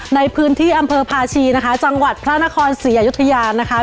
ในพื้นที่อำเภอพาชีนะคะจังหวัดพระนครศรีอยุธยานะคะ